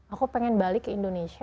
aku pengen balik ke indonesia